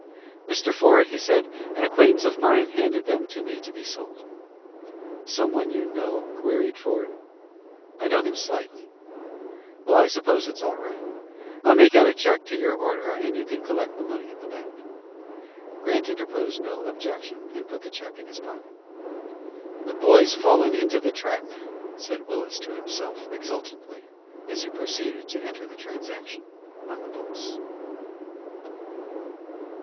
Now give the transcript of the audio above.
"Mr. Ford," he said, "an acquaintance of mine handed them to me to be sold." "Some one you know?" queried Ford. "I know him slightly." "Well, I suppose it's all right. I'll make out a check to your order, and you can collect the money at the bank." Grant interposed no objection, and put the check in his pocket. "The boy's fallen into the trap," said Willis to himself, exultantly, as he proceeded to enter the transaction on the books.